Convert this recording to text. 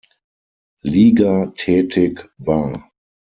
Liga tätig war.